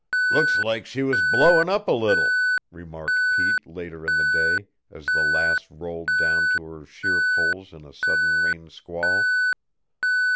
"Looks like she was blowin' up a little!" remarked Pete later in the day as the Lass rolled down to her sheerpoles in a sudden rain squall.